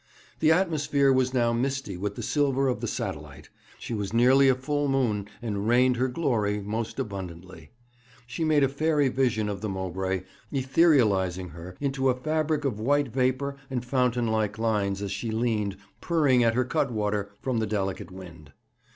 The atmosphere was now misty with the silver of the satellite; she was nearly a full moon, and rained her glory most abundantly. She made a fairy vision of the Mowbray, etherealizing her into a fabric of white vapour and fountain like lines as she leaned, purring at her cutwater, from the delicate wind.